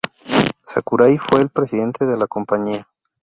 Sakurai fue el presidente de la compañía.